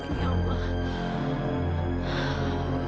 aku harus tolongin bapak